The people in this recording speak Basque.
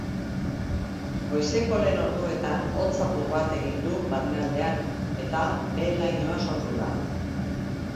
Goizeko lehen orduetan hotz apur bat egin du barnealdean eta behe-lainoa sortu da.